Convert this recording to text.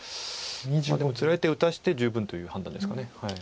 まあでもつらい手打たせて十分という判断ですか。